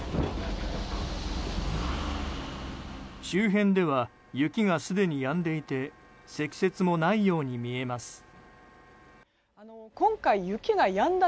周辺では雪がすでにやんでいて積雪もないように見えます。